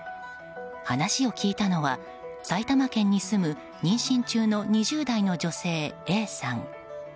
話を聞いたのは埼玉県に住む妊娠中の２０代の女性、Ａさん。